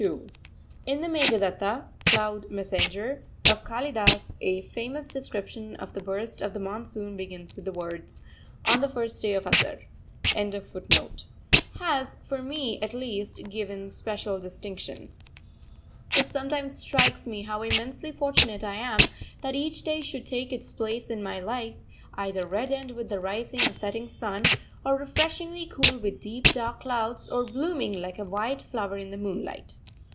] [Footnote 2: In the Meghaduta (Cloud Messenger) of Kalidas a famous description of the burst of the Monsoon begins with the words: On the first day of Asarh.] It sometimes strikes me how immensely fortunate I am that each day should take its place in my life, either reddened with the rising and setting sun, or refreshingly cool with deep, dark clouds, or blooming like a white flower in the moonlight.